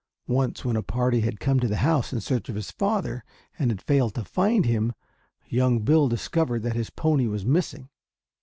Once when a party had come to the house in search of his father and had failed to find him, young Bill discovered that his pony was missing.